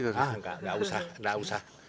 enggak enggak usah